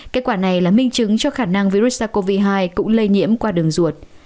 kết quả này là minh chứng cho khả năng virus sars cov hai cũng lây nhiễm qua đường ruột